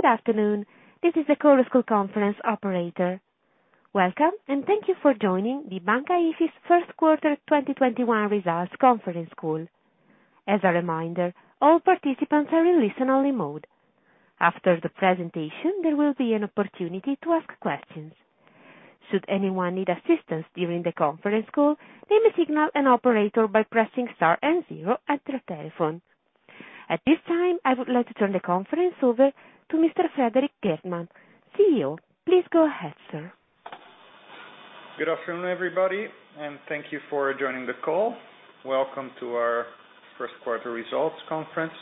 Good afternoon. This is the Chorus Call conference operator. Welcome, and thank you for joining the Banca IFIS first quarter 2021 results conference call. As a reminder, all participants are in listen-only mode. After the presentation, there will be an opportunity to ask questions. Should anyone need assistance during the conference call, they may signal an operator by pressing star and zero at their telephone. At this time, I would like to turn the conference over to Mr. Frederik Geertman, CEO. Please go ahead, sir. Good afternoon, everybody. Thank you for joining the call. Welcome to our first quarter results conference.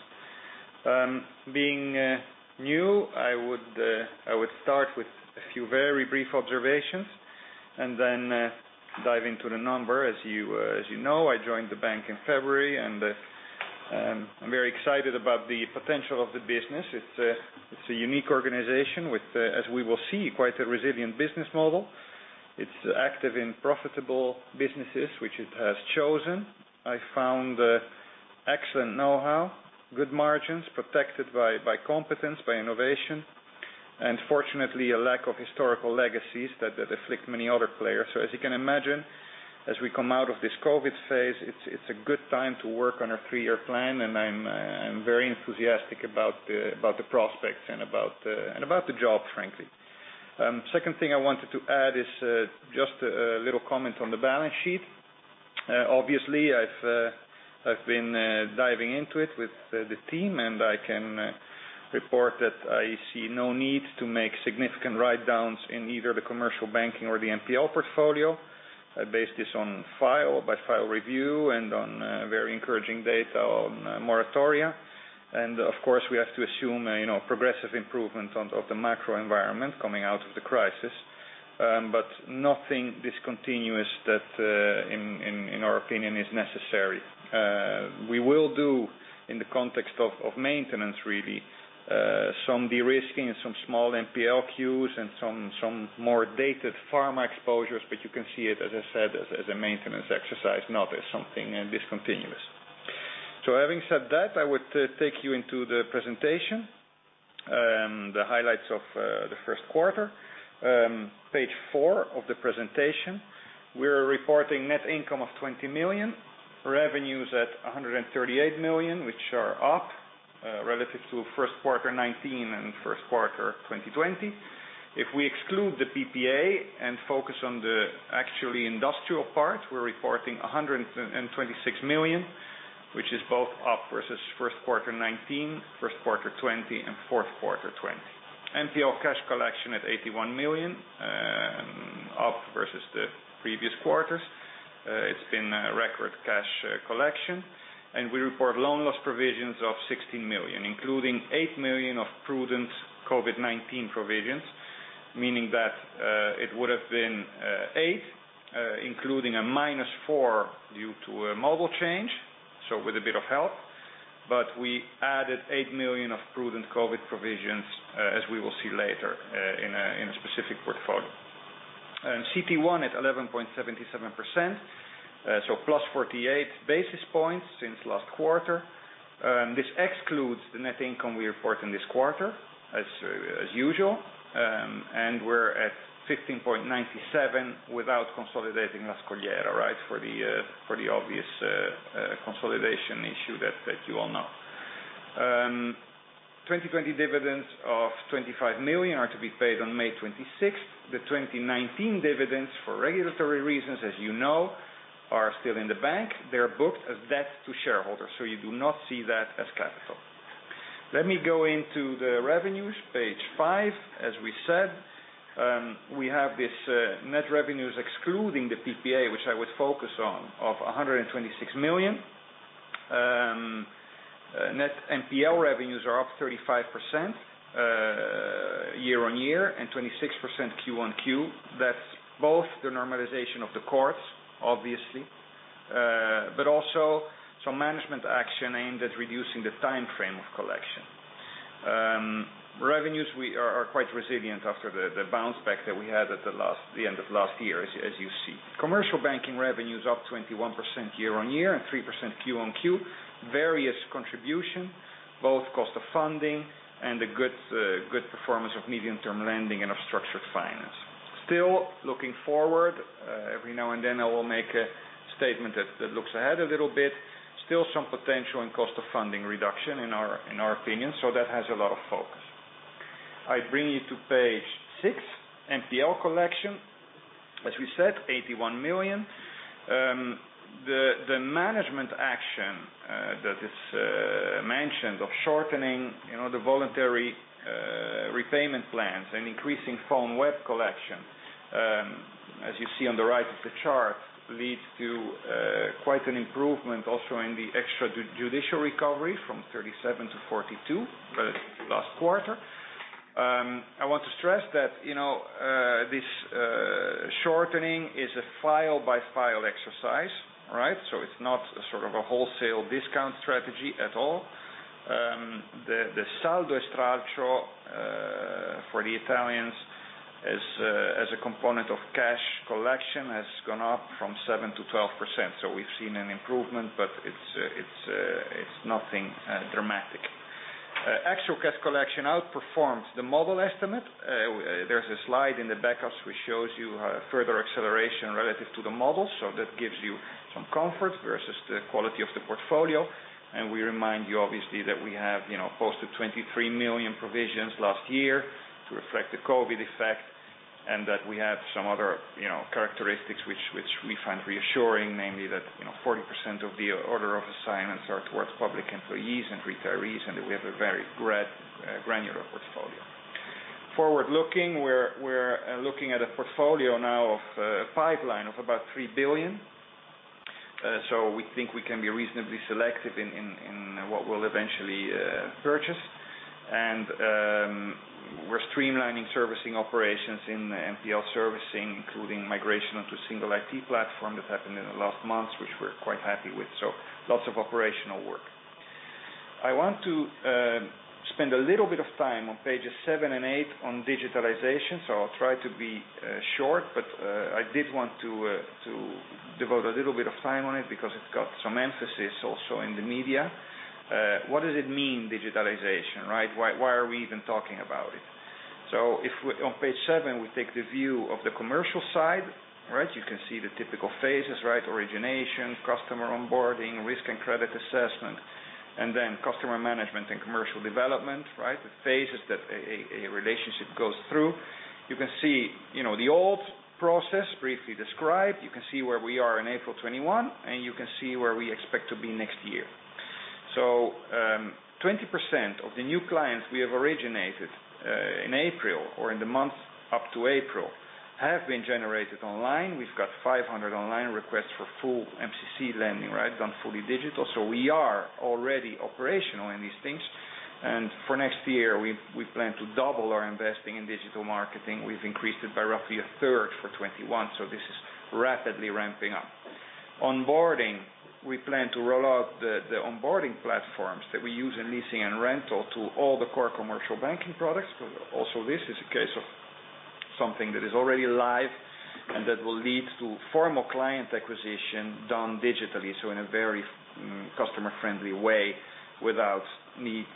Being new, I would start with a few very brief observations and then dive into the numbers. As you know, I joined the bank in February, and I'm very excited about the potential of the business. It's a unique organization with, as we will see, quite a resilient business model. It's active in profitable businesses, which it has chosen. I found excellent know-how, good margins protected by competence, by innovation, and fortunately, a lack of historical legacies that afflict many other players. As you can imagine, as we come out of this COVID-19 phase, it's a good time to work on our three-year plan, and I'm very enthusiastic about the prospects and about the job, frankly. Second thing I wanted to add is just a little comment on the balance sheet. I've been diving into it with the team, I can report that I see no need to make significant write-downs in either the commercial banking or the NPL portfolio. I base this on file-by-file review and on very encouraging data on moratoria. Of course, we have to assume progressive improvement of the macro environment coming out of the crisis. Nothing discontinuous that, in our opinion, is necessary. We will do, in the context of maintenance really, some de-risking and some small NPL cures and some more dated pharma exposures. You can see it, as I said, as a maintenance exercise, not as something discontinuous. Having said that, I would take you into the presentation. The highlights of the first quarter. Page four of the presentation. We're reporting net income of 20 million, revenues at 138 million, which are up relative to Q1 2019 and Q1 2020. If we exclude the PPA and focus on the actually industrial part, we're reporting 126 million, which is both up versus Q1 2019, Q1 2020, and Q4 2020. NPL cash collection at 81 million, up versus the previous quarters. It's been a record cash collection. We report loan loss provisions of 16 million, including 8 million of prudent COVID-19 provisions, meaning that it would've been 8 million, including a -4 million due to a model change, so with a bit of help. We added 8 million of prudent COVID provisions, as we will see later, in a specific portfolio. CET1 at 11.77%, so +48 basis points since last quarter. This excludes the net income we report in this quarter, as usual. We're at 15.97% without consolidating La Scogliera, right, for the obvious consolidation issue that you all know. 2020 dividends of 25 million are to be paid on May 26th. The 2019 dividends for regulatory reasons, as you know, are still in the bank. They're booked as debt to shareholders, so you do not see that as capital. Let me go into the revenues. Page five. As we said, we have these net revenues excluding the PPA, which I would focus on, of 126 million. Net NPL revenues are up 35% year-on-year and 26% Q-on-Q. That's both the normalization of the courts, obviously, but also some management action aimed at reducing the timeframe of collection. Revenues are quite resilient after the bounce back that we had at the end of last year, as you see. Commercial banking revenues up 21% year-on-year and 3% Q-on-Q. Various contribution, both cost of funding and the good performance of medium-term lending and of structured finance. Still looking forward. Every now and then, I will make a statement that looks ahead a little bit. Still some potential in cost of funding reduction, in our opinion. That has a lot of focus. I bring you to page six, NPL collection. As we said, 81 million. The management action that is mentioned of shortening the voluntary repayment plans and increasing phone/web collection, as you see on the right of the chart, leads to quite an improvement also in the extrajudicial recovery from 37 to 42 versus last quarter. I want to stress that this shortening is a file-by-file exercise. It's not a sort of a wholesale discount strategy at all. The saldo e stralcio for the Italians, as a component of cash collection has gone up from 7% to 12%. We've seen an improvement, but it's nothing dramatic. Actual cash collection outperforms the model estimate. There's a slide in the backups which shows you further acceleration relative to the model. That gives you some comfort versus the quality of the portfolio. We remind you, obviously, that we have posted 23 million provisions last year to reflect the COVID-19 effect, and that we had some other characteristics which we find reassuring, namely that 40% of the order of assignments are towards public employees and retirees, and we have a very granular portfolio. Forward-looking, we're looking at a portfolio now of a pipeline of about 3 billion. We think we can be reasonably selective in what we'll eventually purchase. We're streamlining servicing operations in the NPL servicing, including migration onto a single IT platform that's happened in the last months, which we're quite happy with. Lots of operational work. I want to spend a little bit of time on pages seven and eight on digitalization, so I'll try to be short, but I did want to devote a little bit of time on it because it got some emphasis also in the media. What does it mean, digitalization? Why are we even talking about it? If on page seven, we take the view of the commercial side. You can see the typical phases, origination, customer onboarding, risk and credit assessment, and then customer management and commercial development. The phases that a relationship goes through. You can see the old process briefly described. You can see where we are in April 2021, and you can see where we expect to be next year. 20% of the new clients we have originated in April or in the months up to April have been generated online. We've got 500 online requests for full MCC lending, done fully digital. We are already operational in these things. For next year, we plan to double our investing in digital marketing. We've increased it by roughly a third for 2021, so this is rapidly ramping up. Onboarding, we plan to roll out the onboarding platforms that we use in leasing and rental to all the core commercial banking products. Also this is a case of something that is already live and that will lead to formal client acquisition done digitally, so in a very customer-friendly way without need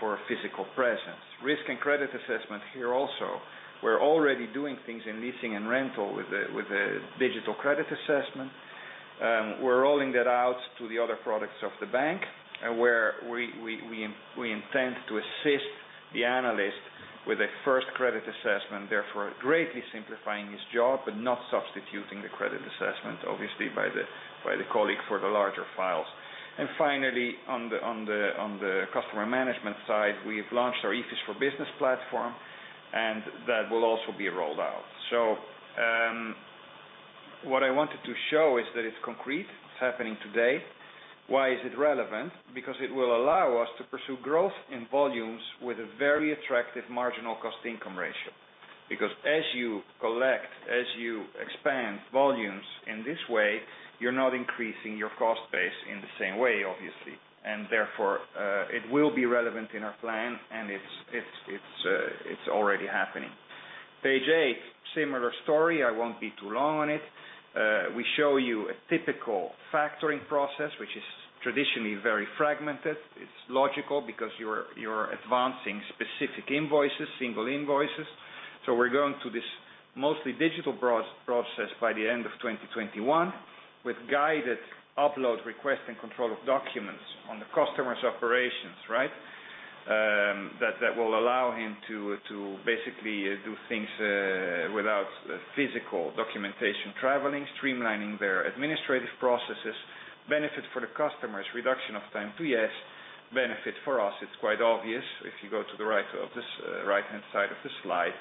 for a physical presence. Risk and credit assessment here also. We're already doing things in leasing and rental with a digital credit assessment. We're rolling it out to the other products of the bank, and where we intend to assist the analyst with a first credit assessment, therefore greatly simplifying his job, but not substituting the credit assessment, obviously, by the colleague for the larger files. Finally, on the customer management side, we've launched our Ifis4business platform, and that will also be rolled out. What I wanted to show is that it's concrete, it's happening today. Why is it relevant? It will allow us to pursue growth in volumes with a very attractive marginal cost-income ratio. As you collect, as you expand volumes in this way, you're not increasing your cost base in the same way, obviously. Therefore, it will be relevant in our plan, and it's already happening. Page eight, similar story. I won't be too long on it. We show you a typical factoring process, which is traditionally very fragmented. It's logical because you're advancing specific invoices, single invoices. We're going to this mostly digital process by the end of 2021 with guided upload request and control of documents on the customer's operations. That will allow him to basically do things without physical documentation traveling, streamlining their administrative processes, benefit for the customers, reduction of time to yes, benefit for us, it's quite obvious if you go to the right-hand side of the slide,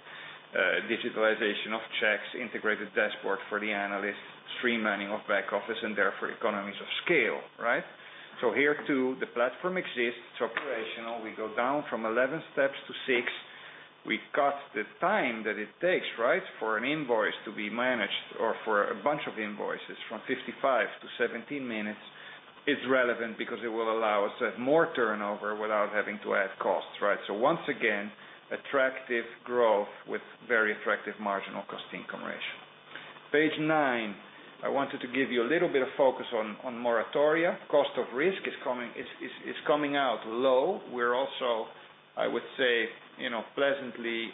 digitalization of checks, integrated dashboard for the analyst, streamlining of back office, and therefore economies of scale. Here, too, the platform exists. It's operational. We go down from 11 steps to six. We cut the time that it takes for an invoice to be managed or for a bunch of invoices from 55 to 17 minutes. It's relevant because it will allow us more turnover without having to add costs. Once again, attractive growth with very attractive marginal cost-income ratio. Page nine, I wanted to give you a little bit of focus on moratoria. Cost of risk is coming out low. We're also, I would say, pleasantly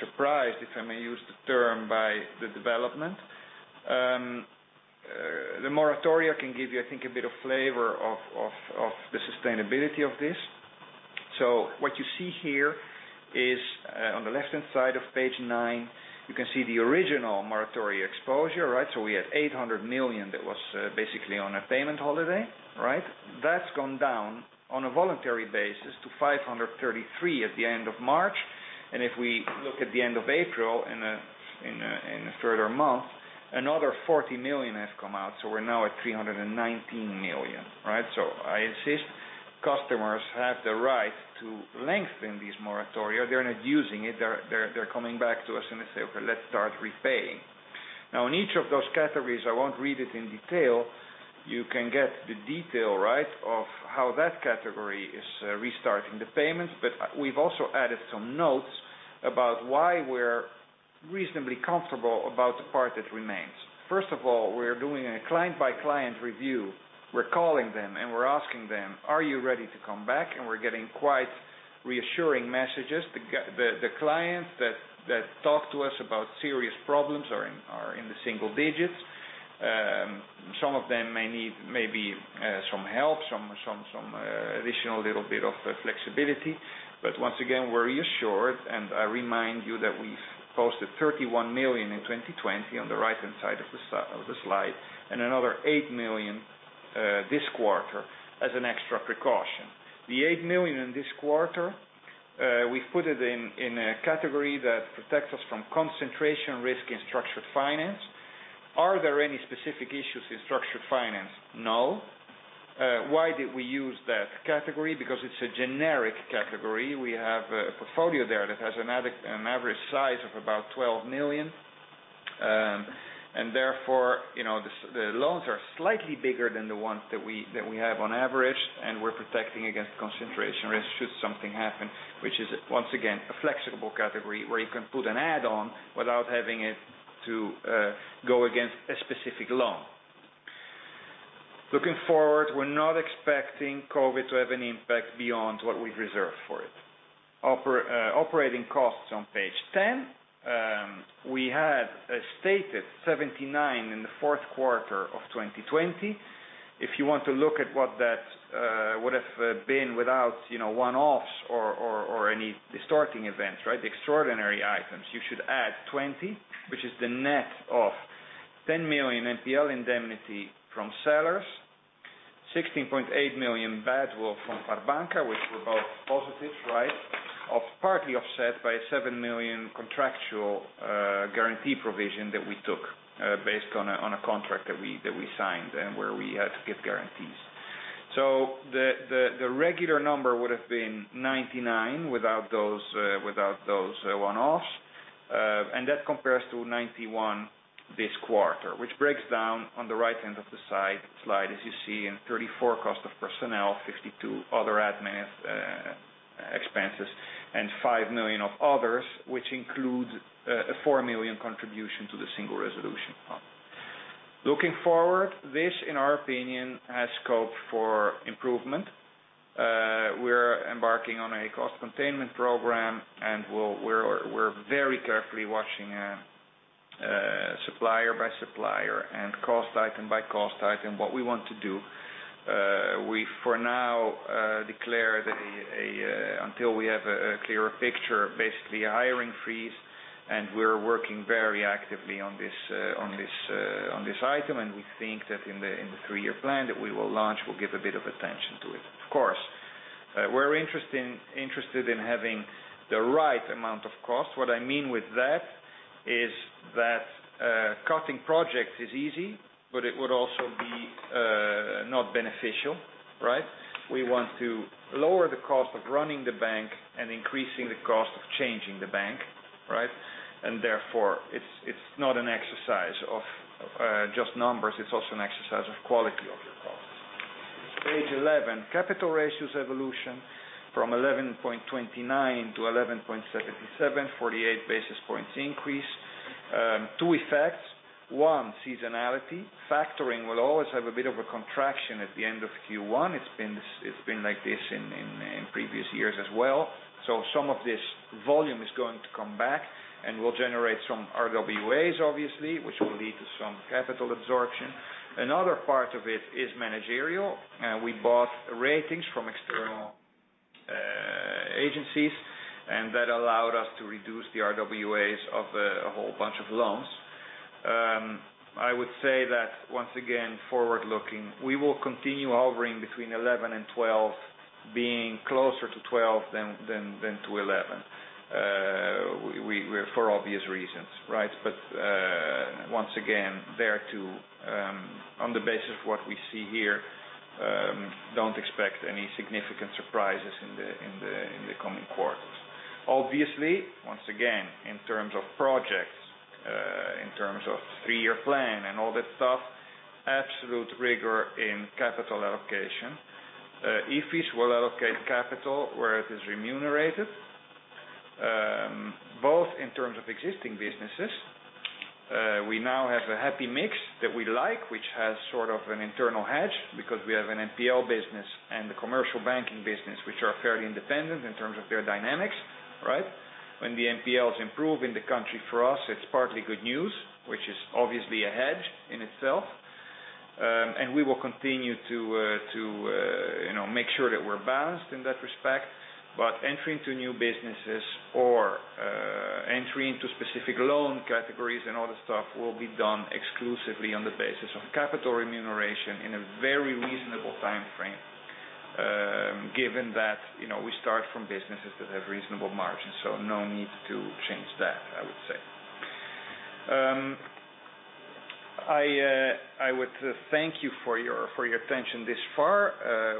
surprised, if I may use the term, by the development. The moratoria can give you, I think, a bit of flavor of the sustainability of this. What you see here is on the left-hand side of page nine, you can see the original moratoria exposure. We had 800 million that was basically on a payment holiday. That's gone down on a voluntary basis to 533 million at the end of March. If we look at the end of April in a further month, another 40 million has come out. We're now at 319 million. I insist customers have the right to lengthen these moratoria. They're not using it. They're coming back to us and saying, "Let's start repaying." In each of those categories, I won't read it in detail. You can get the detail of how that category is restarting the payments, but we've also added some notes about why we're reasonably comfortable about the part that remains. First of all, we're doing a client-by-client review. We're calling them and we're asking them, "Are you ready to come back?" We're getting quite reassuring messages. The clients that talk to us about serious problems are in the single digits. Some of them may need maybe some help, some additional little bit of flexibility. Once again, we're reassured, and I remind you that we posted 31 million in 2020 on the right-hand side of the slide, and another 8 million this quarter as an extra precaution. The 8 million in this quarter, we've put it in a category that protects us from concentration risk in structured finance. Are there any specific issues in structured finance? No. Why did we use that category? Because it's a generic category. We have a portfolio there that has an average size of about 12 million. Therefore, the loans are slightly bigger than the ones that we have on average, and we're protecting against concentration risk should something happen, which is, once again, a flexible category where you can put an add-on without having it to go against a specific loan. Looking forward, we're not expecting COVID-19 to have an impact beyond what we've reserved for it. Operating costs on page 10. We had stated 79 million in the fourth quarter of 2020. If you want to look at what that would have been without one-offs or any distorting events, the extraordinary items, you should add 20, which is the net of 10 million NPL indemnity from sellers, 16.8 million badwill from Farbanca, which were both positives. Partly offset by a 7 million contractual guarantee provision that we took based on a contract that we signed and where we had to give guarantees. The regular number would've been 99 million without those one-offs. That compares to 91 million this quarter. Which breaks down on the right end of the slide as you see in 34 million cost of personnel, 52 million other admin expenses, and 5 million of others, which includes a 4 million contribution to the Single Resolution Fund. Looking forward, this, in our opinion, has scope for improvement. We're embarking on a cost containment program, and we're very carefully watching supplier by supplier and cost item by cost item what we want to do. We, for now, declare until we have a clearer picture, basically a hiring freeze, and we're working very actively on this item. We think that in the three-year plan that we will launch, we'll give a bit of attention to it. Of course, we're interested in having the right amount of cost. What I mean with that is that cutting projects is easy, but it would also be not beneficial. We want to lower the cost of running the bank and increasing the cost of changing the bank. Therefore, it's not an exercise of just numbers, it's also an exercise of quality of your costs. Page 11, capital ratios evolution from 11.29% to 11.77%, 48 basis points increase. Two effects. One, seasonality. Factoring will always have a bit of a contraction at the end of Q1. It's been like this in previous years as well. Some of this volume is going to come back, and we'll generate some RWAs, obviously, which will lead to some capital absorption. Another part of it is managerial. We bought ratings from external agencies, and that allowed us to reduce the RWAs of a whole bunch of loans. I would say that, once again, forward-looking, we will continue hovering between 11% and 12% being closer to 12% than to 11%, for obvious reasons. Once again, thereto, on the basis of what we see here, don't expect any significant surprises in the coming quarters. Obviously, once again, in terms of projects, in terms of three-year plan and all that stuff, absolute rigor in capital allocation. IFIS will allocate capital where it is remunerated. Both in terms of existing businesses. We now have a happy mix that we like, which has sort of an internal hedge because we have an NPL business and the commercial banking business, which are fairly independent in terms of their dynamics. When the NPLs improve in the country, for us, it's partly good news, which is obviously a hedge in itself. We will continue to make sure that we're balanced in that respect. Entry into new businesses or entry into specific loan categories and all that stuff will be done exclusively on the basis of capital remuneration in a very reasonable timeframe. Given that we start from businesses that have reasonable margins, so no need to change that, I would say. I would thank you for your attention this far.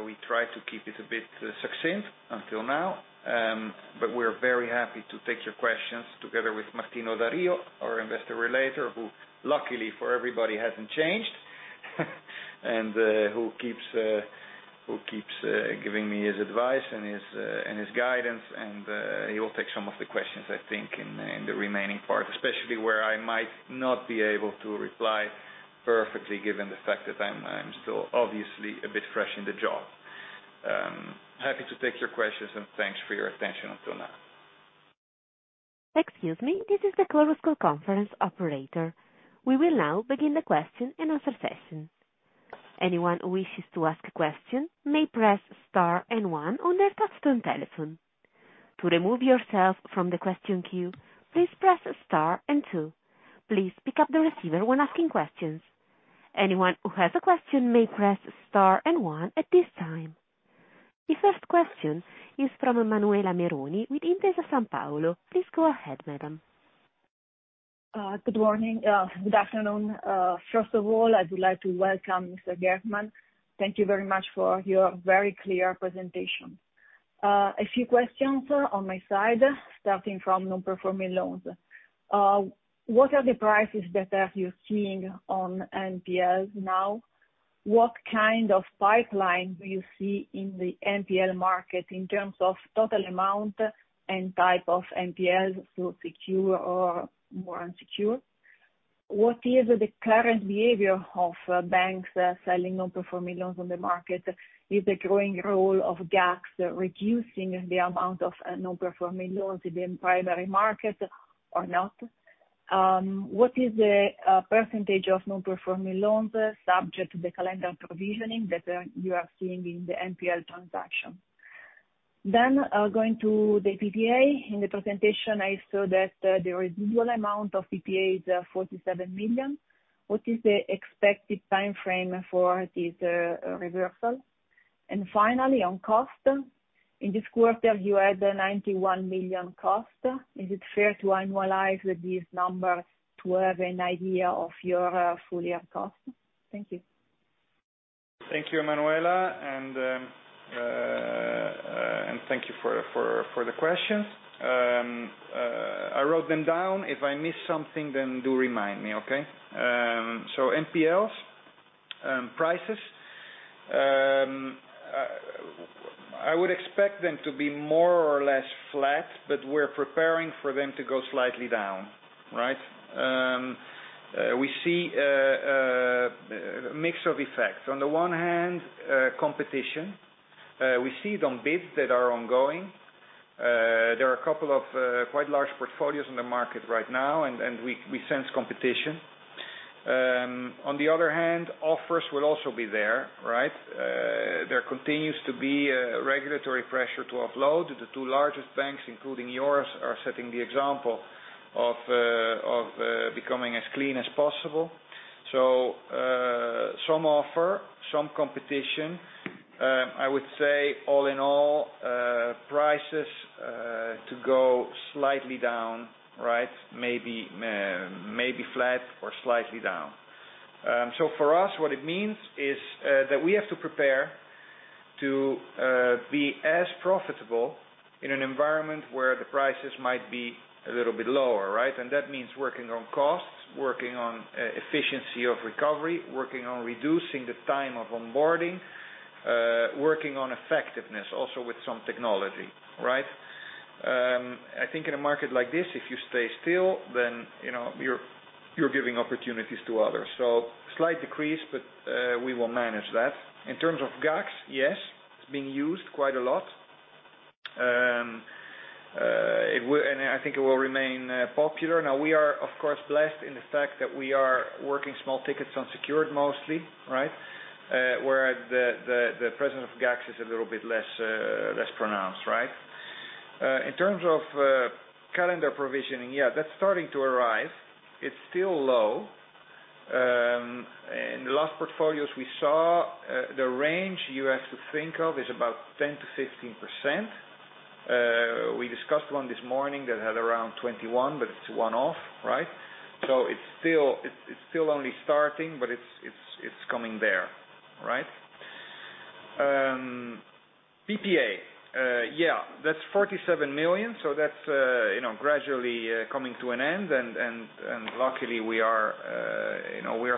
We tried to keep it a bit succinct until now, but we're very happy to take your questions together with Martino Da Rio, our Investor Relator, who luckily for everybody hasn't changed, and who keeps giving me his advice and his guidance. He will take some of the questions, I think, in the remaining part, especially where I might not be able to reply perfectly, given the fact that I'm still obviously a bit fresh in the job. Happy to take your questions, and thanks for your attention until now. Anyone who wishes to ask a question may press star and one on their touch-tone telephone. To remove yourself from the question queue, please press star and two. Please pick up the receiver when asking questions. Anyone who has a question may press star and one at this time. The first question is from Manuela Meroni with Intesa Sanpaolo. Please go ahead, madam. Good afternoon. First of all, I would like to welcome Mr. Geertman. Thank you very much for your very clear presentation. A few questions on my side, starting from non-performing loans. What are the prices that are you seeing on NPL now? What kind of pipeline do you see in the NPL market in terms of total amount and type of NPL to secure or more unsecure? What is the current behavior of banks selling non-performing loans on the market? Is the growing role of GACS reducing the amount of non-performing loans in the primary market or not? What is the percentage of non-performing loans subject to the calendar provisioning that you are seeing in the NPL transaction? Going to the PPA. In the presentation, I saw that the residual amount of PPA is 47 million. What is the expected time frame for this reversal? Finally, on cost. In this quarter, you had a 91 million cost. Is it fair to annualize these numbers to have an idea of your full-year cost? Thank you. Thank you, Manuela. Thank you for the questions. I wrote them down. If I miss something, do remind me, okay? NPLs prices. I would expect them to be more or less flat, but we're preparing for them to go slightly down. We see a mix of effects. On the one hand, competition. We see it on bids that are ongoing. There are a couple of quite large portfolios in the market right now, and we sense competition. On the other hand, offers will also be there. There continues to be regulatory pressure to upload. The two largest banks, including yours, are setting the example of becoming as clean as possible. Some offer, some competition. I would say all in all, prices to go slightly down. Maybe flat or slightly down. For us, what it means is that we have to prepare to be as profitable in an environment where the prices might be a little bit lower. That means working on costs, working on efficiency of recovery, working on reducing the time of onboarding, working on effectiveness also with some technology. I think in a market like this, if you stay still, then you're giving opportunities to others. Slight decrease, but we will manage that. In terms of GACS, yes, it's being used quite a lot. I think it will remain popular. We are, of course, blessed in the fact that we are working small tickets on secured mostly. Where the presence of GACS is a little bit less pronounced. In terms of calendar provisioning, yeah, that's starting to arise. It's still low. In the last portfolios we saw, the range you have to think of is about 10%-15%. We discussed one this morning that had around 21%, it's one-off. It's still only starting, but it's coming there. PPA. Yeah, that's 47 million, that's gradually coming to an end, luckily we are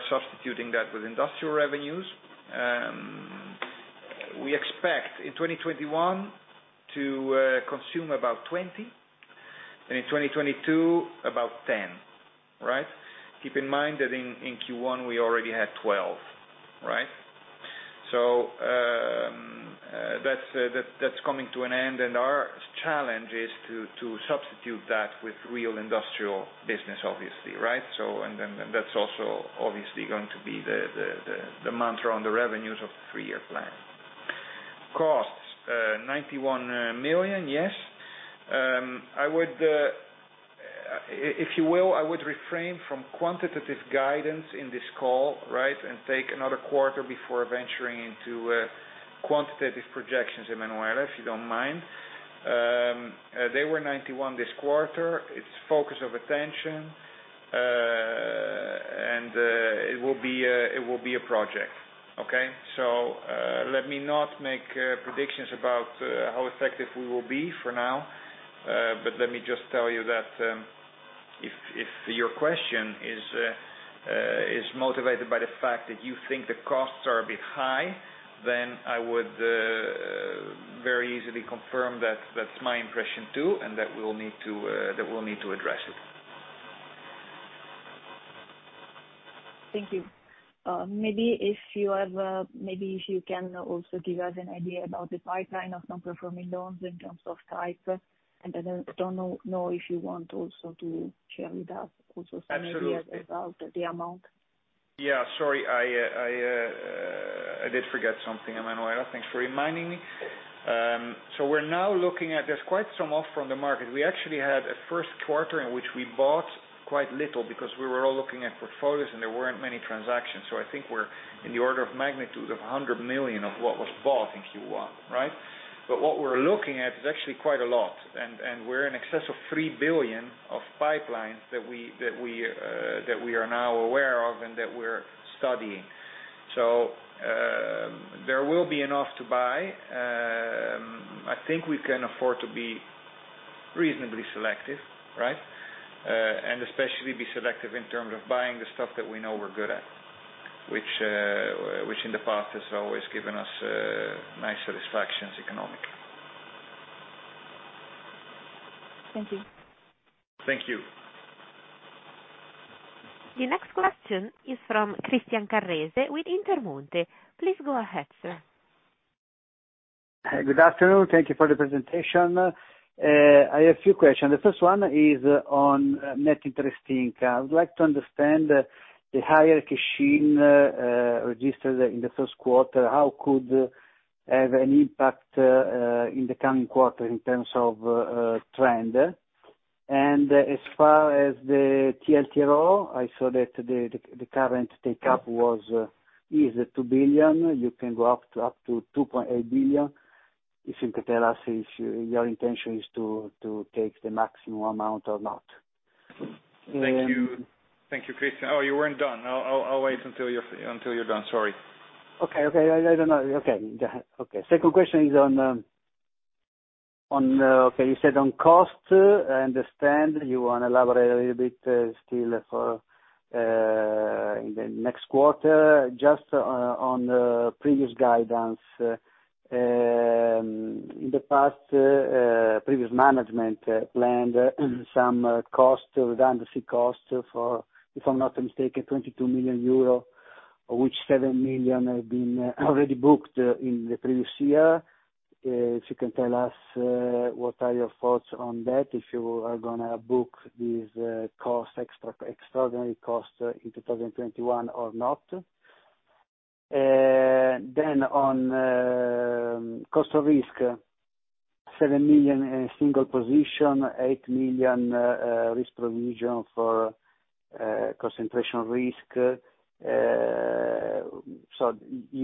substituting that with industrial revenues. We expect in 2021 to consume about 20 million, in 2022, about 10 million. Keep in mind that in Q1, we already had 12 million. That's coming to an end, our challenge is to substitute that with real industrial business, obviously. That's also obviously going to be the mantra on the revenues of the three-year plan. Costs. 91 million, yes. If you will, I would refrain from quantitative guidance in this call, and take another quarter before venturing into quantitative projections, Manuela, if you don't mind. They were 91 this quarter. It's focus of attention, and it will be a project. Okay? Let me not make predictions about how effective we will be for now. Let me just tell you that if your question is motivated by the fact that you think the costs are a bit high, then I would very easily confirm that's my impression, too, and that we'll need to address it. Thank you. Maybe if you can also give us an idea about the pipeline of non-performing loans in terms of type, I don't know if you want also to share with us also some ideas- Absolutely... about the amount. Yeah, sorry, I did forget something, Manuela. Thanks for reminding me. We're now looking at, there's quite some offer on the market. We actually had a first quarter in which we bought quite little because we were all looking at portfolios, and there weren't many transactions. I think we're in the order of magnitude of 100 million of what was bought in Q1, right? What we're looking at is actually quite a lot, and we're in excess of 3 billion of pipelines that we are now aware of and that we're studying. There will be enough to buy. I think we can afford to be reasonably selective, right? Especially be selective in terms of buying the stuff that we know we're good at, which in the past has always given us nice satisfactions economically. Thank you. Thank you. The next question is from Christian Carrese with Intermonte. Please go ahead, sir. Good afternoon. Thank you for the presentation. I have a few questions. The first one is on net interest income. I would like to understand the higher cash-in registered in the first quarter, how could have an impact in the coming quarter in terms of trend? As far as the TLTRO, I saw that the current take-up is 2 billion. You can go up to 2.8 billion. If you can tell us if your intention is to take the maximum amount or not. Thank you, Christian. Oh, you weren't done. I'll wait until you're done. Sorry. Okay. Second question is on, okay, you said on costs, I understand you want to elaborate a little bit still for in the next quarter. Just on previous guidance. In the past, previous management planned some redundancy costs for, if I'm not mistaken, 22 million euro, of which 7 million have been already booked in the previous year. If you can tell us, what are your thoughts on that, if you are going to book this extraordinary cost in 2021 or not. On cost of risk, 7 million in single position, 8 million risk provision for concentration risk. You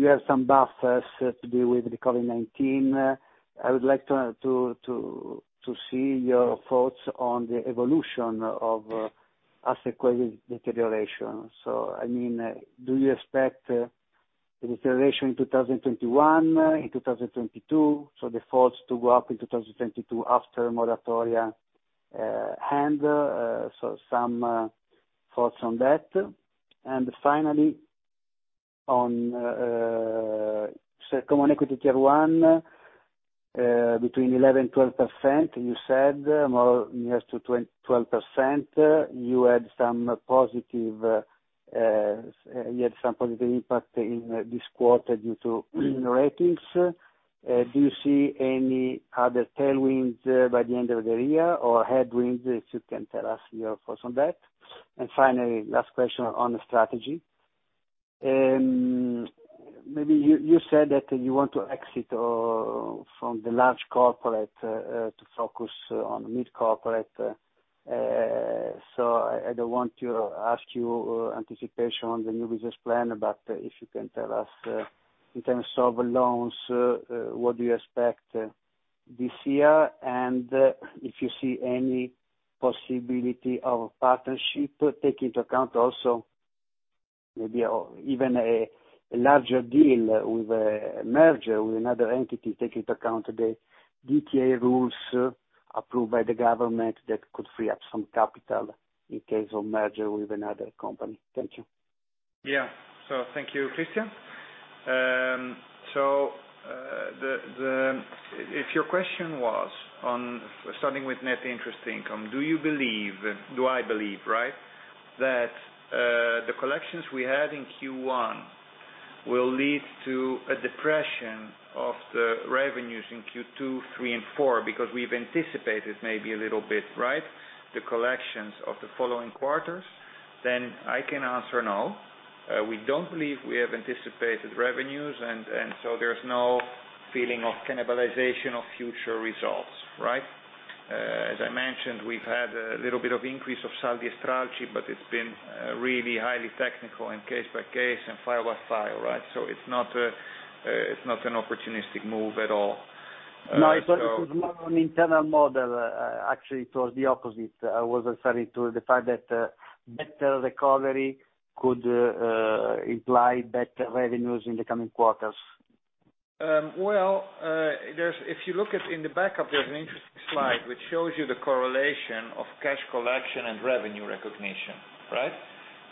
have some buffers to do with the COVID-19. I would like to see your thoughts on the evolution of asset quality deterioration. Do you expect deterioration in 2021, in 2022, so defaults to go up in 2022 after moratoria end, so some thoughts on that. Finally, on Common Equity Tier 1, between 11% and 12%, you said more nearest to 12%, you had some positive impact in this quarter due to ratings. Do you see any other tailwinds by the end of the year or headwinds, if you can tell us your thoughts on that. Finally, last question on the strategy. You said that you want to exit from the large corporate to focus on mid-corporate. I don't want to ask you anticipation on the new business plan, but if you can tell us in terms of loans, what do you expect this year, and if you see any possibility of partnership, take into account also maybe even a larger deal with a merger with another entity, take into account the DTA rules approved by the government that could free up some capital in case of merger with another company. Thank you. Thank you, Christian. If your question was on starting with net interest income, do I believe that the collections we had in Q1 will lead to a depression of the revenues in Q2, Q3, and Q4, because we've anticipated maybe a little bit the collections of the following quarters, then I can answer no. We don't believe we have anticipated revenues, there's no feeling of cannibalization of future results. Right. As I mentioned, we've had a little bit of increase of saldi e stralci, it's been really highly technical and case by case and file by file. It's not an opportunistic move at all. No, it was more of an internal model. Actually, it was the opposite. I was referring to the fact that better recovery could imply better revenues in the coming quarters. Well, if you look at in the back of there's an interesting slide which shows you the correlation of cash collection and revenue recognition.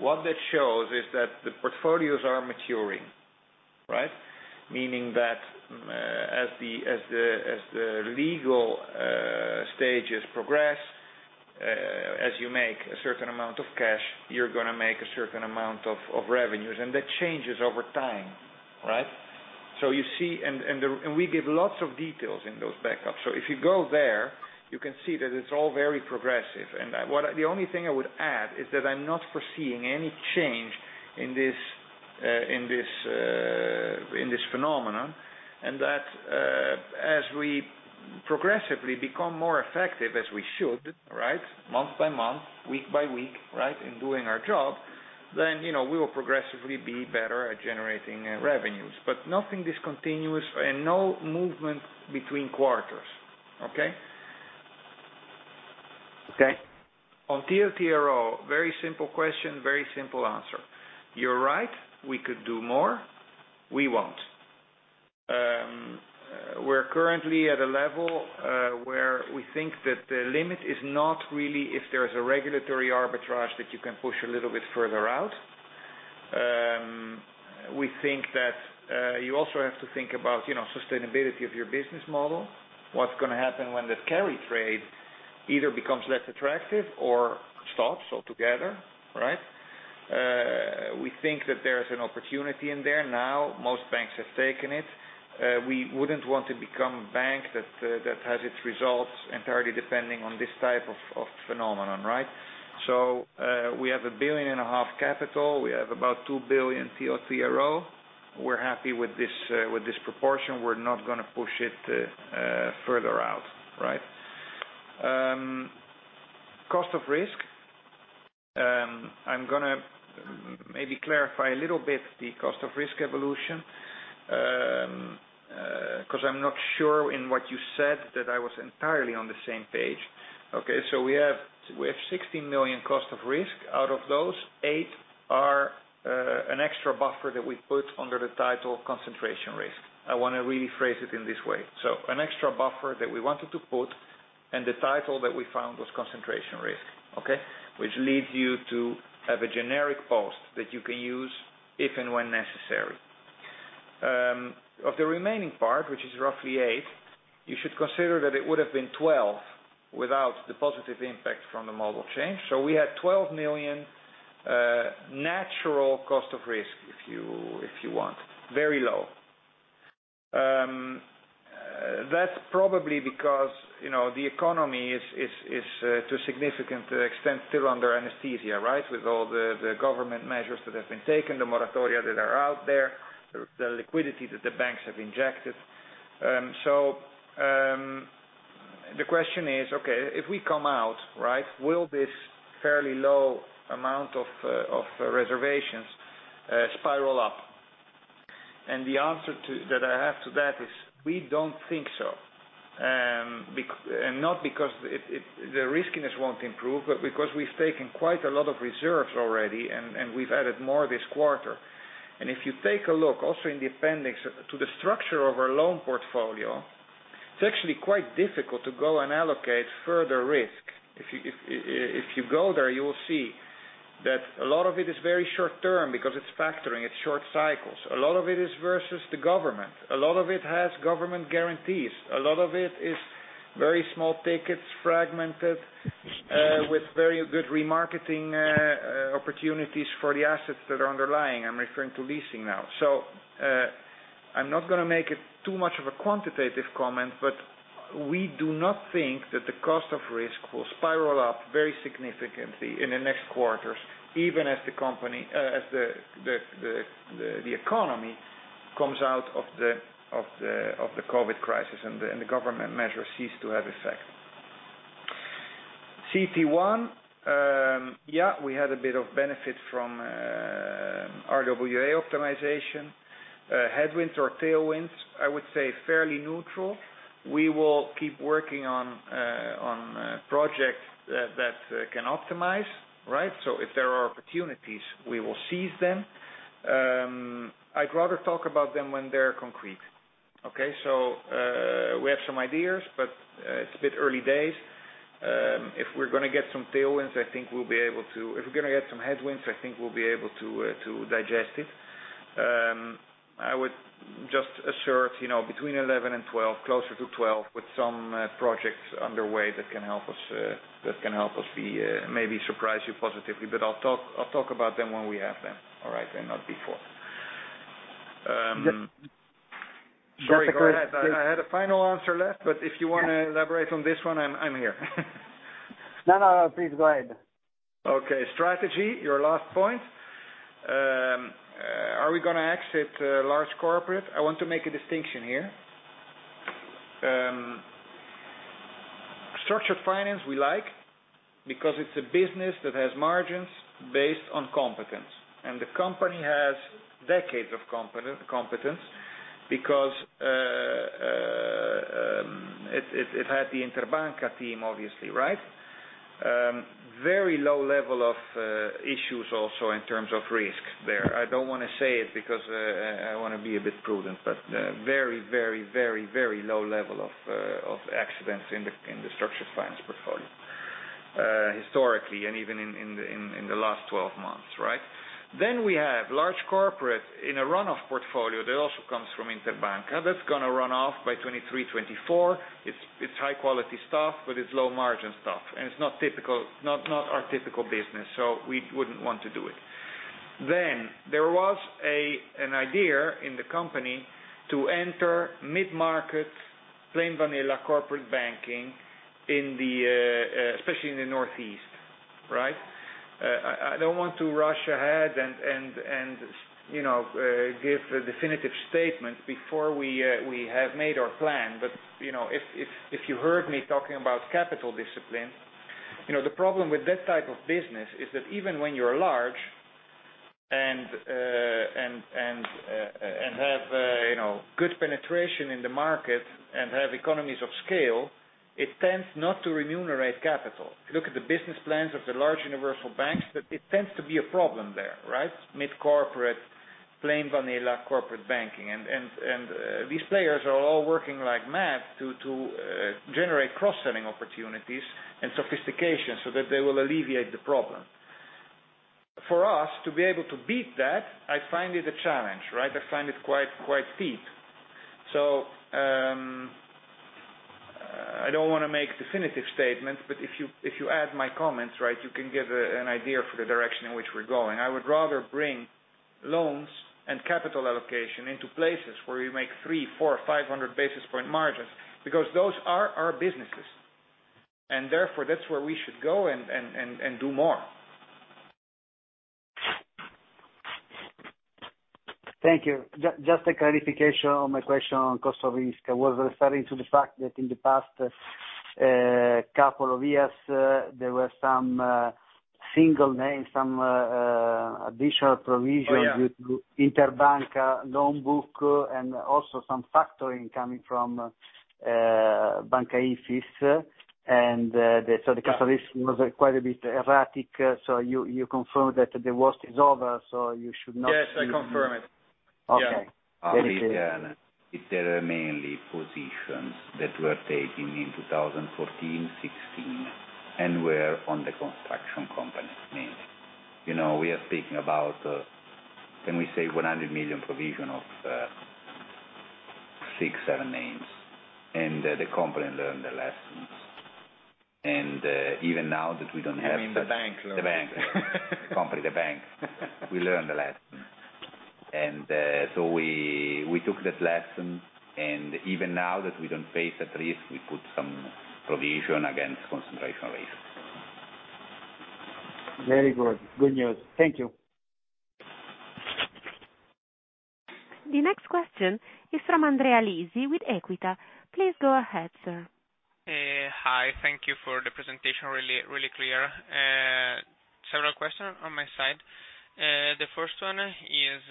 What that shows is that the portfolios are maturing. Meaning that as the legal stages progress, as you make a certain amount of cash, you're going to make a certain amount of revenues. That changes over time. You see, and we give lots of details in those backups. If you go there, you can see that it's all very progressive. The only thing I would add is that I'm not foreseeing any change in this phenomenon, and that as we progressively become more effective as we should, month by month, week by week, in doing our job, then we will progressively be better at generating revenues. Nothing discontinuous and no movement between quarters. Okay? Okay. On TLTRO, very simple question, very simple answer. You're right, we could do more. We won't. We're currently at a level where we think that the limit is not really if there's a regulatory arbitrage that you can push a little bit further out. We think that you also have to think about sustainability of your business model. What's going to happen when the carry trade either becomes less attractive or stops altogether. We think that there's an opportunity in there now. Most banks have taken it. We wouldn't want to become a bank that has its results entirely depending on this type of phenomenon. We have 1.5 billion capital. We have about 2 billion TLTRO. We're happy with this proportion. We're not going to push it further out. Cost of risk. I'm going to maybe clarify a little bit the cost of risk evolution, because I'm not sure in what you said that I was entirely on the same page. Okay. We have 16 million cost of risk. Out of those, 8 million are an extra buffer that we put under the title concentration risk. I want to really phrase it in this way. An extra buffer that we wanted to put, and the title that we found was concentration risk. Okay. Which leads you to have a generic pot that you can use if and when necessary. Of the remaining part, which is roughly 8 million, you should consider that it would've been 12 million without the positive impact from the model change. We had 12 million natural cost of risk, if you want. Very low. That's probably because the economy is, to a significant extent, still under anesthesia. With all the government measures that have been taken, the moratoria that are out there, the liquidity that the banks have injected. The question is, okay, if we come out, will this fairly low amount of reservations spiral up? The answer that I have to that is, we don't think so. Not because the riskiness won't improve, but because we've taken quite a lot of reserves already, and we've added more this quarter. If you take a look also in the appendix to the structure of our loan portfolio, it's actually quite difficult to go and allocate further risk. If you go there, you will see that a lot of it is very short term because it's factoring, it's short cycles. A lot of it is versus the government. A lot of it has government guarantees. A lot of it is very small tickets, fragmented, with very good remarketing opportunities for the assets that are underlying. I'm referring to leasing now. I'm not going to make it too much of a quantitative comment, but we do not think that the cost of risk will spiral up very significantly in the next quarters, even as the economy comes out of the COVID-19 crisis and the government measures cease to have effect. CET1. Yeah, we had a bit of benefit from RWA optimization. Headwinds or tailwinds, I would say fairly neutral. We will keep working on projects that can optimize. If there are opportunities, we will seize them. I'd rather talk about them when they're concrete. Okay. We have some ideas, but it's a bit early days. If we're going to get some headwinds, I think we'll be able to digest it. I would just assert between 11% and 12%, closer to 12%, with some projects underway that can help us maybe surprise you positively. I'll talk about them when we have them, all right, and not before. Sorry, go ahead. I had a final answer left, but if you want to elaborate on this one, I'm here No, please go ahead. Okay, strategy, your last point. Are we going to exit large corporate? I want to make a distinction here. Structured finance we like, because it's a business that has margins based on competence, and the company has decades of competence because it had the Interbanca team, obviously. Very low level of issues also in terms of risk there. I don't want to say it because I want to be a bit prudent, but very low level of accidents in the structured finance portfolio, historically and even in the last 12 months. We have large corporate in a run-off portfolio that also comes from Interbanca. That's going to run off by 2023, 2024. It's high-quality stuff, but it's low-margin stuff, and it's not our typical business, so we wouldn't want to do it. There was an idea in the company to enter mid-market, plain vanilla corporate banking, especially in the Northeast. I don't want to rush ahead and give a definitive statement before we have made our plan. If you heard me talking about capital discipline, the problem with that type of business is that even when you're large and have good penetration in the market and have economies of scale, it tends not to remunerate capital. If you look at the business plans of the large universal banks, it tends to be a problem there. Mid-corporate, plain vanilla corporate banking. These players are all working like mad to generate cross-selling opportunities and sophistication so that they will alleviate the problem. For us to be able to beat that, I find it a challenge. I find it quite steep. I don't want to make definitive statements, but if you add my comments, you can get an idea for the direction in which we're going. I would rather bring loans and capital allocation into places where we make 300, 400, 500 basis point margins, because those are our businesses. Therefore, that's where we should go and do more. Thank you. Just a clarification on my question on cost of risk. I was referring to the fact that in the past couple of years, there were some single names, some additional provisions- Oh, yeah.... due to Interbanca loan book and also some factoring coming from Banca IFIS. The capital risk was quite a bit erratic. You confirm that the worst is over. Yes, I confirm it. Okay. Very clear. They are mainly positions that were taken in 2014, 2016, and were on the construction company names. We are speaking about, can we say 100 million provision of six, seven names. The company learned their lessons. Even now that we don't have- You mean the bank learned. The bank. The company, the bank. We learned the lesson. We took that lesson, and even now that we don't face that risk, we put some provision against concentration risk. Very good. Good news. Thank you. The next question is from Andrea Lisi with Equita. Please go ahead, sir. Hi. Thank you for the presentation. Really clear. Several questions on my side. The first one is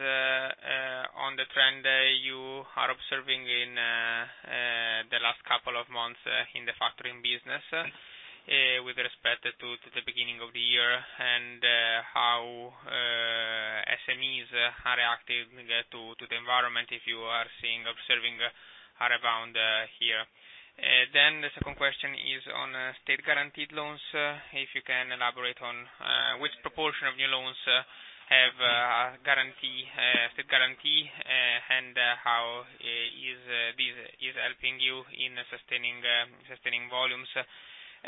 on the trend you are observing in the last couple of months in the factoring business with respect to the beginning of the year and how SMEs are reacting to the environment, if you are observing a rebound here. The second question is on state-guaranteed loans. If you can elaborate on which proportion of new loans have state guarantee, and how is this helping you in sustaining volumes.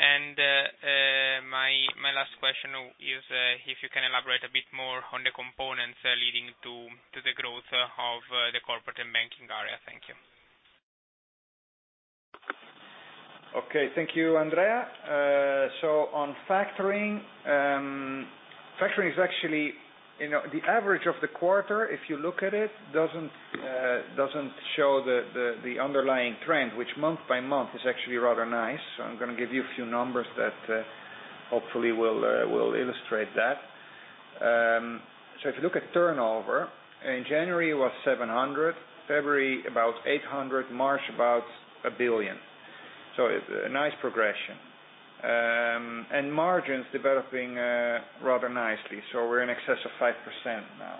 My last question is if you can elaborate a bit more on the components leading to the growth of the corporate and banking area. Thank you. Okay. Thank you, Andrea. On factoring. Factoring is actually the average of the quarter. If you look at it doesn't show the underlying trend, which month by month is actually rather nice. I'm going to give you a few numbers that hopefully will illustrate that. If you look at turnover, in January, it was 700 million, February, about 800 million, March, about 1 billion. A nice progression. Margins developing rather nicely. We're in excess of 5% now.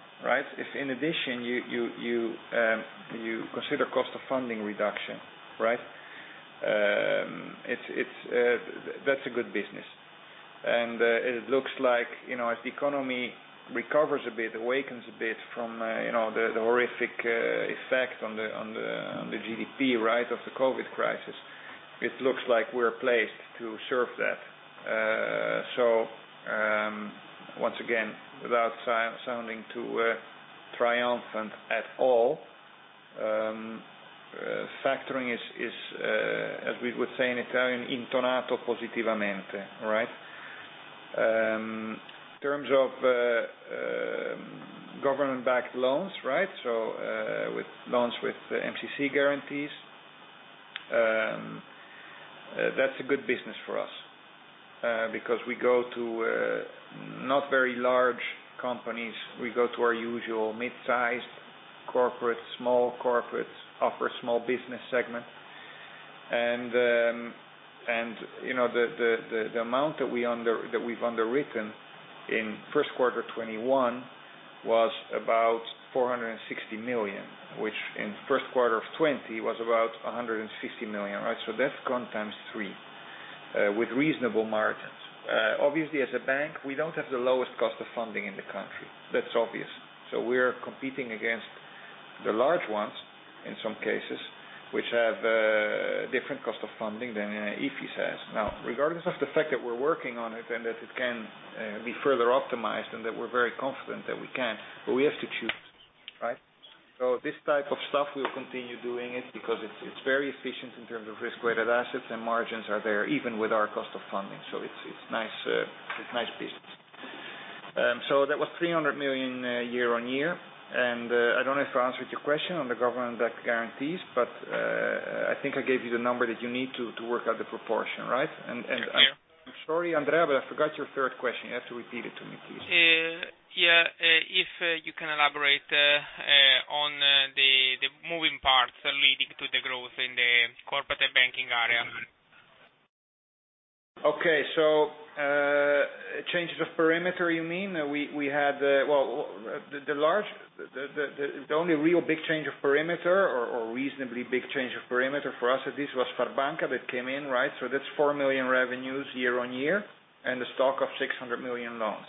If in addition, you consider cost of funding reduction, that's a good business. It looks like as the economy recovers a bit, awakens a bit from the horrific effect on the GDP of the COVID crisis, it looks like we're placed to serve that. Once again, without sounding too triumphant at all. Factoring is, as we would say in Italian, "intonate positivamente." In terms of government-backed loans, so with loans with MCC guarantees, that's a good business for us because we go to not very large companies. We go to our usual mid-size corporate, small corporates, upper small business segment. The amount that we've underwritten in first quarter 2021 was about 460 million, which in first quarter of 2020 was about 160 million. That's gone times three with reasonable margins. Obviously, as a bank, we don't have the lowest cost of funding in the country. That's obvious. We're competing against the large ones, in some cases, which have a different cost of funding than Banca IFIS has. Now, regardless of the fact that we're working on it and that it can be further optimized and that we're very confident that we can, but we have to choose. This type of stuff, we'll continue doing it because it's very efficient in terms of risk-weighted assets and margins are there, even with our cost of funding. It's nice business. That was 300 million year-on-year. I don't know if I answered your question on the government-backed guarantees, but I think I gave you the number that you need to work out the proportion, right? Thank you. I'm sorry, Andrea, I forgot your third question. You have to repeat it to me, please. Yeah. If you can elaborate on the moving parts leading to the growth in the corporate banking area. Okay. Changes of perimeter, you mean? The only real big change of perimeter or reasonably big change of perimeter for us at least was Farbanca that came in. That's 4 million revenues year-on-year and a stock of 600 million loans.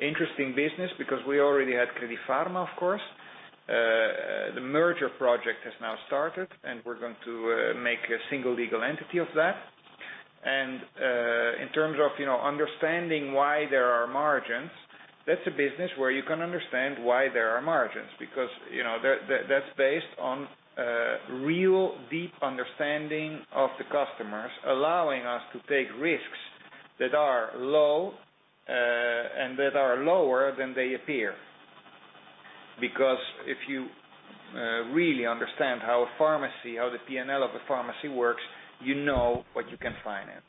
Interesting business because we already had Credifarma, of course. The merger project has now started, and we're going to make a single legal entity of that. In terms of understanding why there are margins, that's a business where you can understand why there are margins, because that's based on real, deep understanding of the customers, allowing us to take risks that are low and that are lower than they appear. Because if you really understand how the P&L of a pharmacy works, you know what you can finance.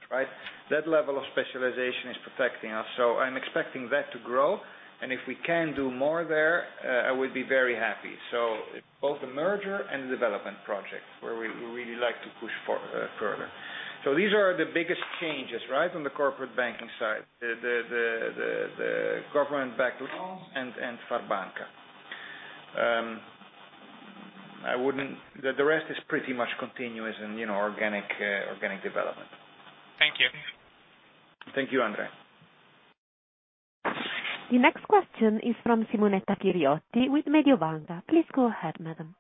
That level of specialization is protecting us, so I'm expecting that to grow. If we can do more there, I would be very happy. Both the merger and the development project, where we would really like to push further. These are the biggest changes on the corporate banking side, the government-backed loans and Farbanca. The rest is pretty much continuous and organic development. Thank you. Thank you, Andrea. The next question is from Simonetta Chiriotti with Mediobanca. Please go ahead, madam.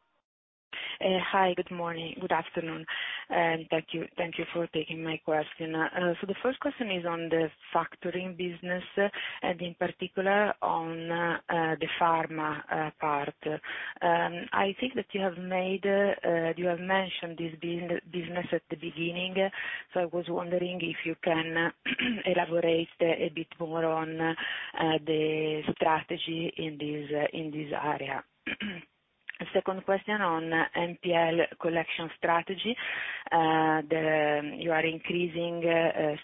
Hi. Good morning. Good afternoon. Thank you for taking my question. The first question is on the factoring business, and in particular on the pharma part. I think that you have mentioned this business at the beginning, so I was wondering if you can elaborate a bit more on the strategy in this area. Second question on NPL collection strategy. You are increasing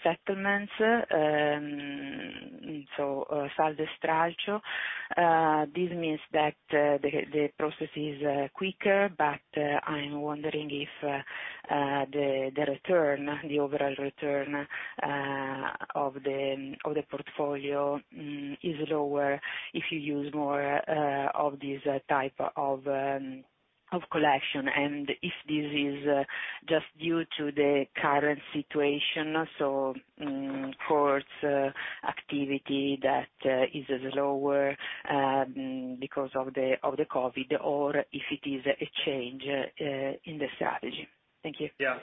settlements, so saldo e stralcio. This means that the process is quicker, but I'm wondering if the overall return of the portfolio is lower if you use more of this type of collection, and if this is just due to the current situation, so courts activity that is lower because of the COVID-19, or if it is a change in the strategy. Thank you. Yeah.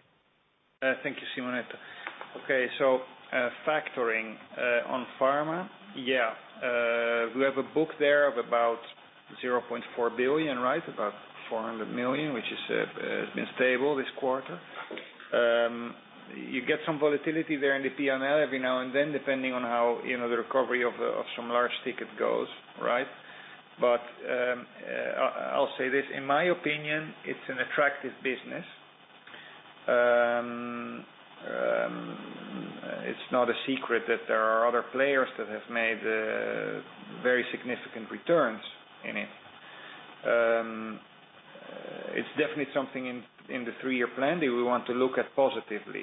Thank you, Simonetta. Okay, factoring on pharma. Yeah. We have a book there of about 0.4 billion, about 400 million, which has been stable this quarter. You get some volatility there in the P&L every now and then, depending on how the recovery of some large ticket goes. I'll say this, in my opinion, it's an attractive business. It's not a secret that there are other players that have made very significant returns in it. It's definitely something in the three-year plan that we want to look at positively.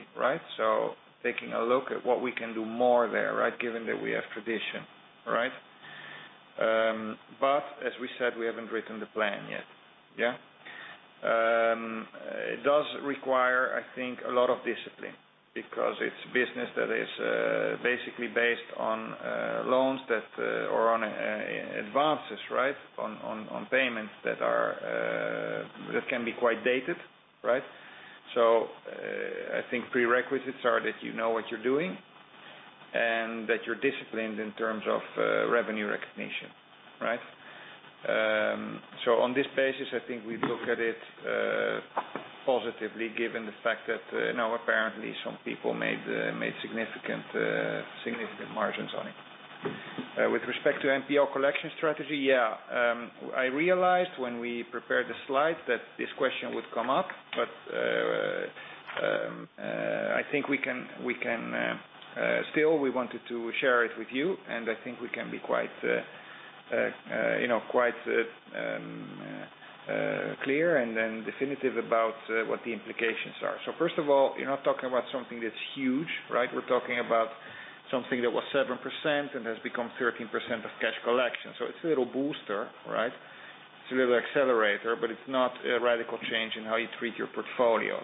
Taking a look at what we can do more there, given that we have tradition. As we said, we haven't written the plan yet. It does require, I think, a lot of discipline because it's business that is basically based on loans or on advances, on payments that can be quite dated. I think prerequisites are that you know what you're doing and that you're disciplined in terms of revenue recognition. On this basis, I think we look at it positively given the fact that now apparently some people made significant margins on it. With respect to NPL collection strategy, yeah. I realized when we prepared the slides that this question would come up, but I think Still, we wanted to share it with you, and I think we can be quite clear and definitive about what the implications are. First of all, you're not talking about something that's huge. We're talking about something that was 7% and has become 13% of cash collection. It's a little booster. It's a little accelerator, but it's not a radical change in how you treat your portfolios.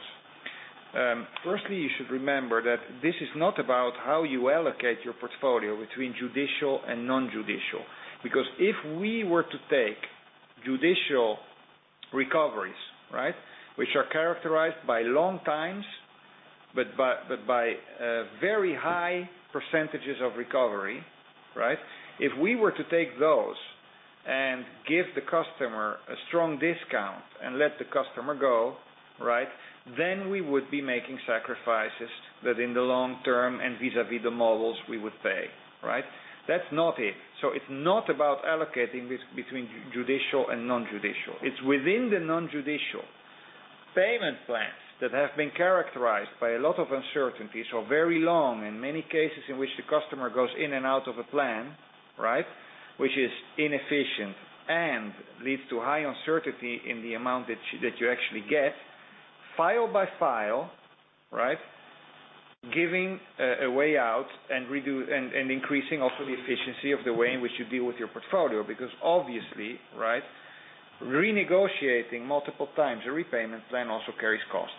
Firstly, you should remember that this is not about how you allocate your portfolio between judicial and non-judicial. If we were to take judicial recoveries, which are characterized by long times, but by very high percentages of recovery. If we were to take those and give the customer a strong discount and let the customer go, then we would be making sacrifices that in the long term and vis-à-vis the models we would pay. That's not it. It's not about allocating between judicial and non-judicial. It's within the non-judicial payment plans that have been characterized by a lot of uncertainties or very long in many cases in which the customer goes in and out of a plan. Which is inefficient and leads to high uncertainty in the amount that you actually get, file by file, giving a way out and increasing also the efficiency of the way in which you deal with your portfolio. Obviously, renegotiating multiple times a repayment plan also carries cost.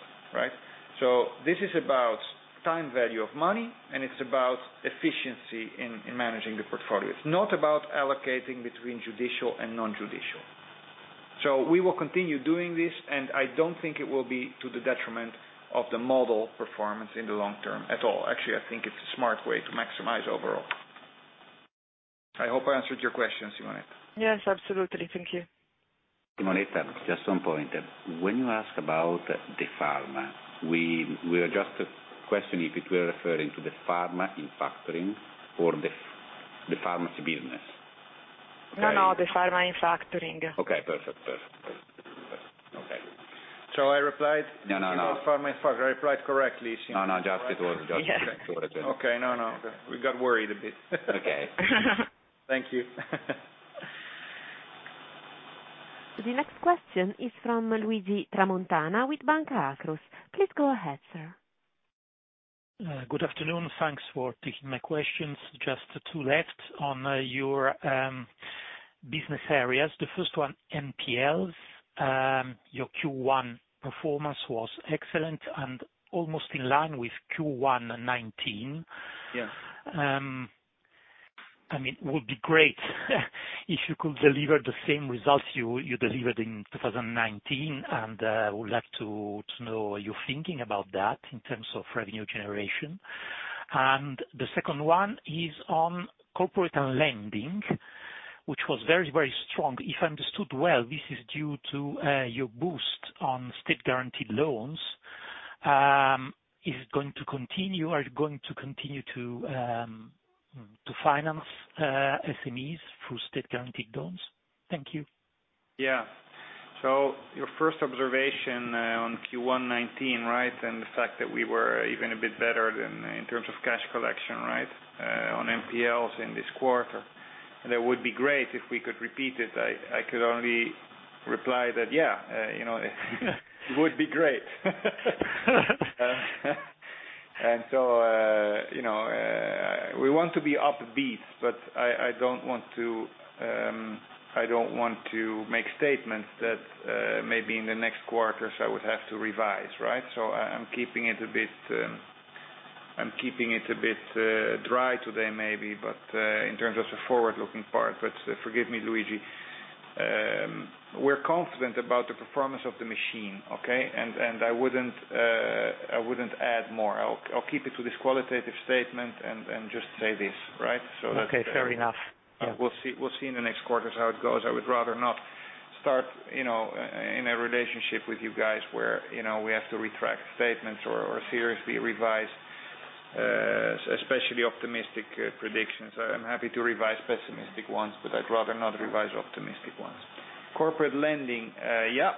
This is about time value of money, and it's about efficiency in managing the portfolio. It's not about allocating between judicial and non-judicial. We will continue doing this, and I don't think it will be to the detriment of the model performance in the long term at all. Actually, I think it's a smart way to maximize overall. I hope I answered your question, Simonetta. Yes, absolutely. Thank you. Simonetta, just one point. When you ask about the pharma, we are just questioning if we're referring to the pharma in factoring or the pharmacy business. No, the pharma in factoring. Okay, perfect. I replied. No. Pharma in factoring. I replied correctly. No, it was just. Okay. No. We got worried a bit. Okay. Thank you. The next question is from Luigi Tramontana with Banca Akros. Please go ahead, sir. Good afternoon. Thanks for taking my questions. Just two left on your business areas. The first one, NPLs. Your Q1 performance was excellent and almost in line with Q1 2019. Yes. It would be great if you could deliver the same results you delivered in 2019, and I would like to know your thinking about that in terms of revenue generation. The second one is on corporate lending, which was very, very strong. If I understood well, this is due to your boost on state-guaranteed loans. Is it going to continue? Are you going to continue to finance SMEs through state-guaranteed loans? Thank you. Your first observation on Q1 2019, and the fact that we were even a bit better than in terms of cash collection on NPLs in this quarter. That would be great if we could repeat it. I could only reply that it would be great. We want to be upbeat. I don't want to make statements that maybe in the next quarters, I would have to revise. I'm keeping it a bit dry today, maybe, in terms of the forward-looking part. Forgive me, Luigi. We're confident about the performance of the machine, okay. I wouldn't add more. I'll keep it to this qualitative statement and just say this. Okay. Fair enough. We'll see in the next quarters how it goes. I would rather not start in a relationship with you guys where we have to retract statements or seriously revise, especially optimistic predictions. I'm happy to revise pessimistic ones, but I'd rather not revise optimistic ones. Corporate lending. Yeah.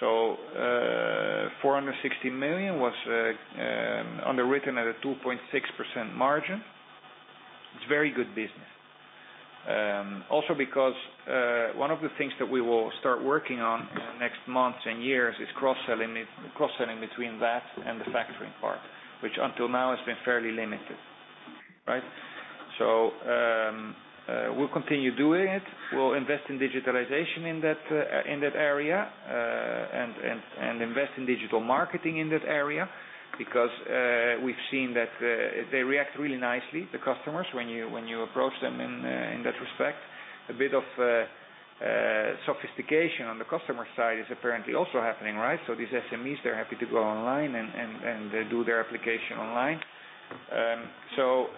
460 million was underwritten at a 2.6% margin. It's very good business. Also because one of the things that we will start working on in the next months and years is cross-selling between that and the factoring part, which until now has been fairly limited. We'll continue doing it. We'll invest in digitalization in that area, and invest in digital marketing in that area. Because we've seen that they react really nicely, the customers, when you approach them in that respect. A bit of sophistication on the customer side is apparently also happening. These SMEs, they're happy to go online, and they do their application online. All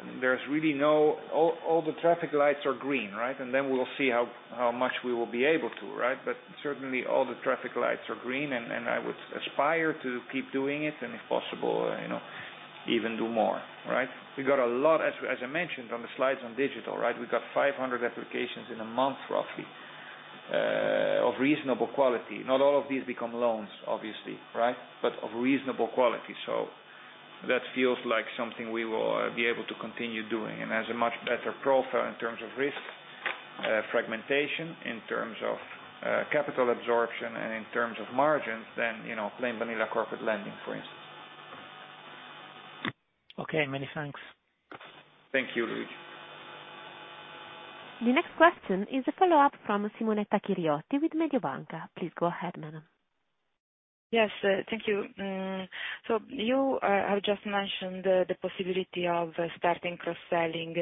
the traffic lights are green. We will see how much we will be able to. Certainly, all the traffic lights are green, and I would aspire to keep doing it, and if possible, even do more. We got a lot, as I mentioned on the slides on digital. We got 500 applications in a month, roughly, of reasonable quality. Not all of these become loans, obviously. Of reasonable quality. That feels like something we will be able to continue doing. Has a much better profile in terms of risk fragmentation, in terms of capital absorption, and in terms of margins than plain vanilla corporate lending, for instance. Okay, many thanks. Thank you, Luigi. The next question is a follow-up from Simonetta Chiriotti with Mediobanca. Please go ahead, madam. Yes, thank you. You have just mentioned the possibility of starting cross-selling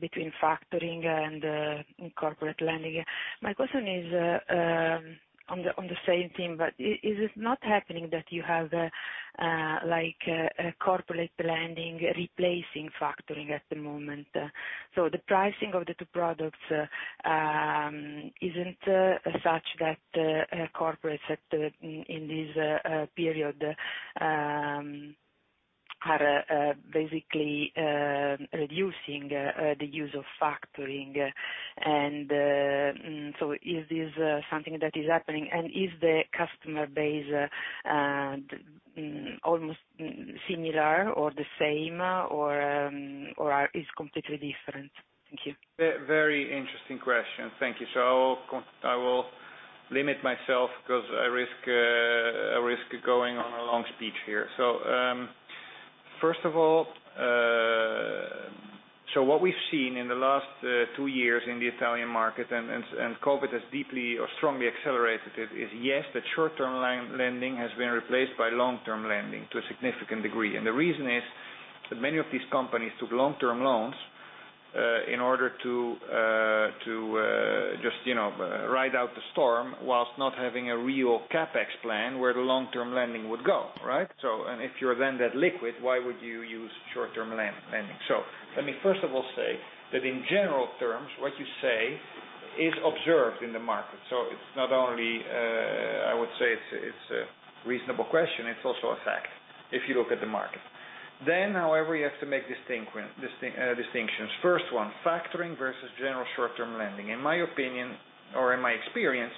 between factoring and corporate lending. My question is on the same theme, but is it not happening that you have corporate lending replacing factoring at the moment? The pricing of the two products isn't such that corporates in this period are basically reducing the use of factoring. Is this something that is happening, and is the customer base almost similar or the same, or is completely different? Thank you. Very interesting question. Thank you. I will limit myself because I risk going on a long speech here. First of all, what we've seen in the last two years in the Italian market, and COVID-19 has deeply or strongly accelerated it, is, yes, that short-term lending has been replaced by long-term lending to a significant degree. The reason is that many of these companies took long-term loans in order to just ride out the storm whilst not having a real CapEx plan where the long-term lending would go. If you're then that liquid, why would you use short-term lending? Let me first of all say that in general terms, what you say is observed in the market. It's not only, I would say, it's a reasonable question, it's also a fact, if you look at the market. However, you have to make distinctions. First one, factoring versus general short-term lending. In my opinion or in my experience,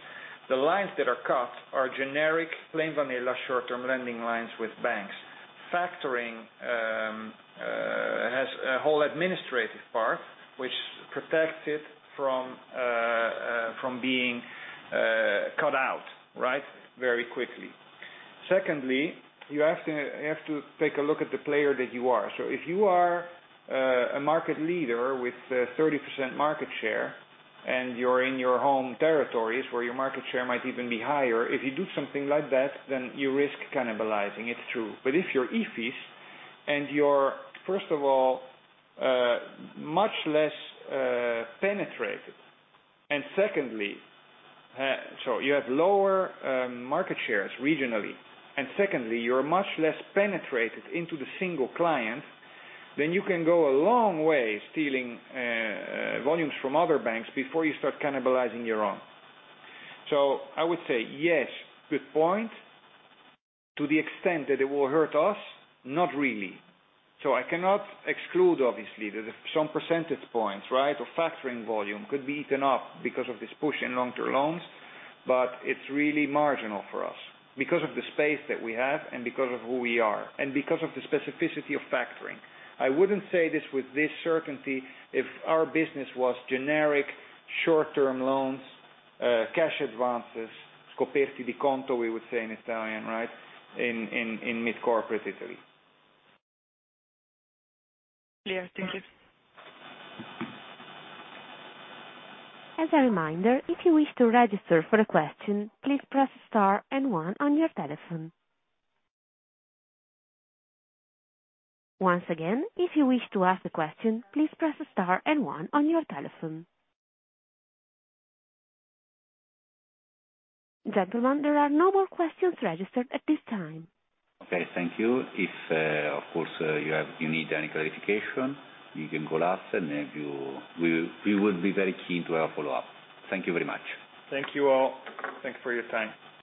the lines that are cut are generic plain vanilla short-term lending lines with banks. Factoring has a whole administrative part which protects it from being cut out very quickly. Secondly, you have to take a look at the player that you are. If you are a market leader with 30% market share, and you're in your home territories where your market share might even be higher, if you do something like that, then you risk cannibalizing. It's true. If you're IFIS and you're, first of all, much less penetrated, and secondly, so you have lower market shares regionally, and secondly, you're much less penetrated into the single client, then you can go a long way stealing volumes from other banks before you start cannibalizing your own. I would say yes, good point. To the extent that it will hurt us, not really. I cannot exclude, obviously, that some percentage points or factoring volume could be eaten up because of this push in long-term loans, but it's really marginal for us because of the space that we have and because of who we are and because of the specificity of factoring. I wouldn't say this with this certainty if our business was generic short-term loans, cash advances, scoperti di conto, we would say in Italian, in mid-corporate Italy. Clear. Thank you. Gentlemen, there are no more questions registered at this time. Okay. Thank you. If, of course, you need any clarification, you can call us, and we will be very keen to have a follow-up. Thank you very much. Thank you all. Thanks for your time.